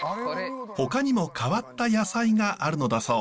ほかにも変わった野菜があるのだそう。